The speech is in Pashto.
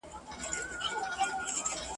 لمره نن تم سه! !.